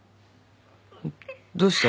どうした？